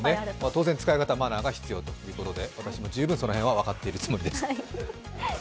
当然、使い方、マナーが必要ということで私も十分その辺は分かっているつもりです。